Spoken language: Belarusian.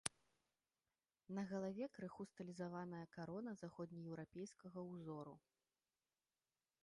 На галаве крыху стылізаваная карона заходнееўрапейскага ўзору.